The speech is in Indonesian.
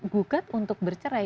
gugat untuk bercerai